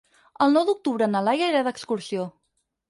El nou d'octubre na Laia irà d'excursió.